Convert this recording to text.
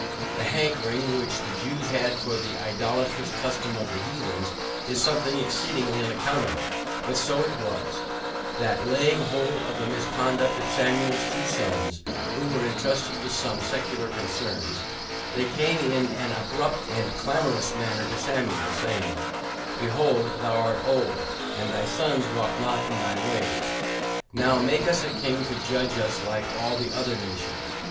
The hankering which the Jews had for the idolatrous customs of the Heathens, is something exceedingly unaccountable; but so it was, that laying hold of the misconduct of Samuel's two sons, who were entrusted with some secular concerns, they came in an abrupt and clamorous manner to Samuel, saying, BEHOLD THOU ART OLD, AND THY SONS WALK NOT IN THY WAYS, NOW MAKE US A KING TO JUDGE US LIKE ALL THE OTHER NATIONS.